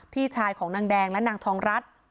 พี่ชายของนางแดงและนางทองรัฐ